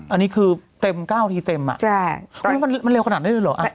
อันนี้คือเต็ม๙ทีเต็มอ่ะมันเร็วขนาดนี้เลยเหรอ